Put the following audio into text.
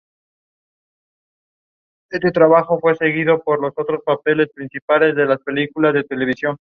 Ese año participó en el segundo Congreso Nacional de Trabajadores y Campesinos.